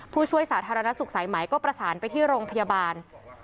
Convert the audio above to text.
ผู้ช่วยสาธารณสุขสายไหมก็ประสานไปที่โรงพยาบาล